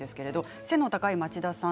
背の高い町田さん